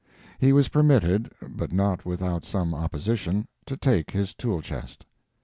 He was permitted, but not without some opposition, to take his tool chest.